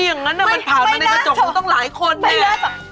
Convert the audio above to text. ดังนั้นมันผ่านมาในกระจกมันต้องหลายคนเนี่ยไม่เลิศ